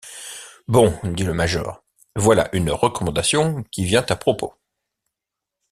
Bon, dit le major, voilà une recommandation qui vient à propos!